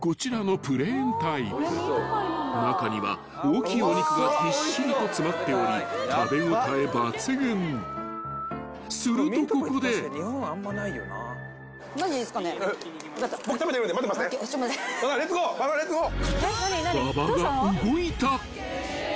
［中には大きいお肉がぎっしりと詰まっており食べ応え抜群］馬場レッツゴー。馬場レッツゴー。